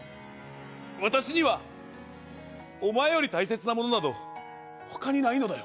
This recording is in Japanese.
私にはお前より大切なものなど他にないのだよ